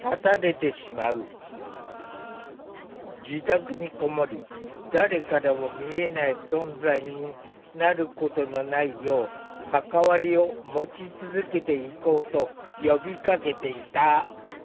自宅に籠もり誰からも見えない存在になることのないよう関わりを持ち続けていこうと呼びかけていた。